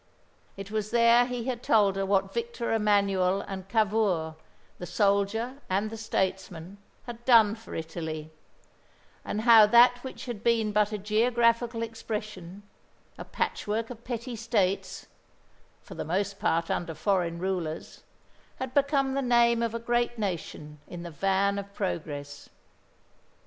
It was there he had told her what Victor Emanuel and Cavour the soldier and the statesman had done for Italy; and how that which had been but a geographical expression, a patchwork of petty states for the most part under foreign rulers had become the name of a great nation in the van of progress.